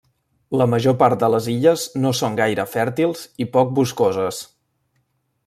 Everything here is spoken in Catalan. La major part de les illes no són gaire fèrtils i poc boscoses.